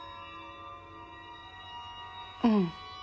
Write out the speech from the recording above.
うん。